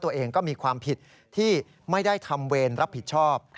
ตัวเองก็มีความผิดที่ไม่ได้ทำเวรรับผิดชอบ